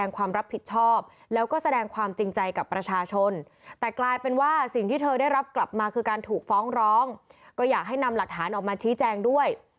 การถูกฟ้องร้องก็อยากให้นำหลักฐานออกมาชี้แจงด้วย